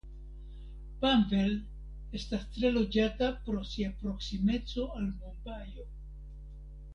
Panvel estas tre loĝata pro sia proksimeco al Mumbajo.